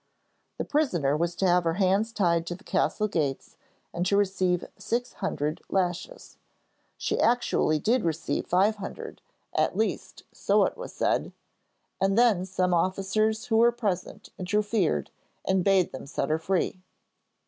The prisoner was to have her hands tied to the castle gates and to receive six hundred lashes. She actually did receive five hundred, at least, so it was said, and then some officers who were present interfered, and bade them set her free.